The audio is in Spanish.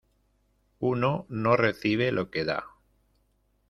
uno no recibe lo que da.